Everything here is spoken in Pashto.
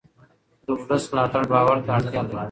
د ولس ملاتړ باور ته اړتیا لري